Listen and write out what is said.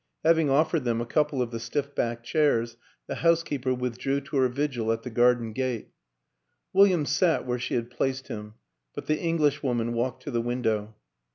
Having of fered them a couple of the stiff backed chairs the housekeeper withdrew to her vigil at the garden gate; William sat where she had placed him, but the Englishwoman walked to the window.